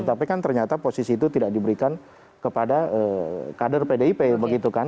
tapi kan ternyata posisi itu tidak diberikan kepada kader pdip begitu kan